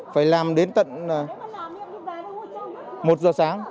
phải làm đến tận một giờ sáng